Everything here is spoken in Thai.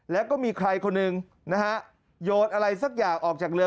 แล้วก็มีใครคนหนึ่งนะฮะโยนอะไรสักอย่างออกจากเรือ